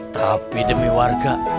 tapi demi warga